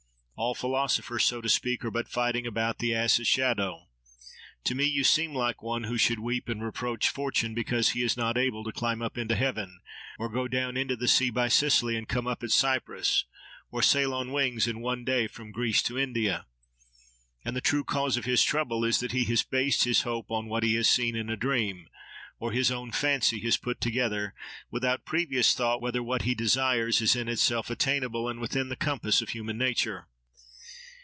All philosophers, so to speak, are but fighting about the 'ass's shadow.' To me you seem like one who should weep, and reproach fortune because he is not able to climb up into heaven, or go down into the sea by Sicily and come up at Cyprus, or sail on wings in one day from Greece to India. And the true cause of his trouble is that he has based his hope on what he has seen in a dream, or his own fancy has put together; without previous thought whether what he desires is in itself attainable and within the compass of human nature.